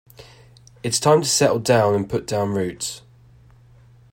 It's time to settle down and put down roots.